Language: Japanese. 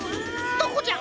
どこじゃ？